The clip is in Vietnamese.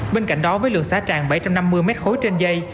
bên cạnh đó với lượng xả tràn bảy trăm năm mươi mét khối trên dây